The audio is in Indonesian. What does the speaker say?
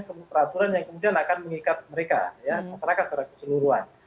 peraturan yang kemudian akan mengikat mereka masyarakat secara keseluruhan